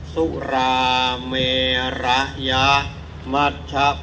อธินาธาเวระมะนิสิขาปะทังสมาธิยามี